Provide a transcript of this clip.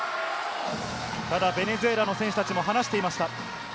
ただ、ベネズエラの選手たちも話していました。